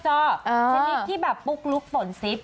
เช่นนี้ที่แบบปุ๊กลุ๊กฝนทรีป